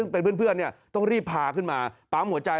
เป็นเพื่อนต้องรีบพาขึ้นมาปั๊มหัวใจ